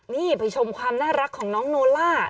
นี่ไปชมความน่ารักของน้องโนล่า